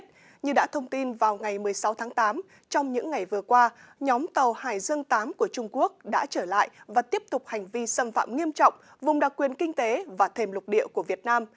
trong những ngày vừa qua nhóm tàu hải dương viii của trung quốc đã trở lại và tiếp tục hành vi xâm phạm nghiêm trọng vùng đặc quyền kinh tế và thềm lục địa của việt nam